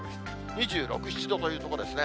２６、７度というところですね。